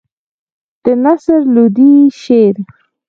د نصر لودي شعر.